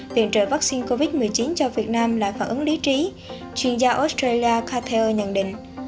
viện trợ vaccine covid một mươi chín cho việt nam là phản ứng lý trí chuyên gia australia catheer nhận định